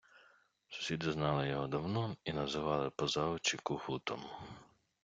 Сусіди знали його давно і називали поза очі кугутом